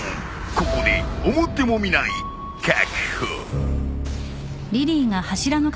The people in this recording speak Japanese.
ここで思ってもみない確保！